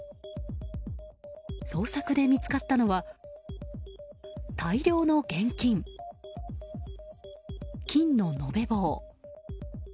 捜索で見つかったのは大量の現金、金の延べ棒。